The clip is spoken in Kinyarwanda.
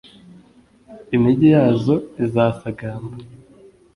imigi yazo izasagamba,